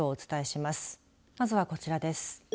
まずはこちらです。